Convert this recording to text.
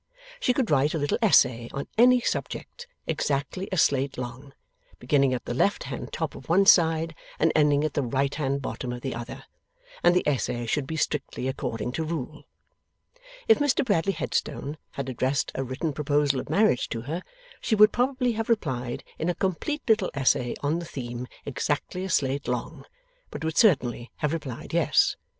She could write a little essay on any subject, exactly a slate long, beginning at the left hand top of one side and ending at the right hand bottom of the other, and the essay should be strictly according to rule. If Mr Bradley Headstone had addressed a written proposal of marriage to her, she would probably have replied in a complete little essay on the theme exactly a slate long, but would certainly have replied Yes.